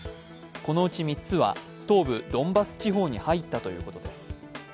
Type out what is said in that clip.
このうち３つは東部ドンバス地方に入ったということです。